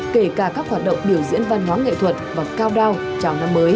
kể cả các hoạt động biểu diễn văn hóa nghệ thuật và cao đao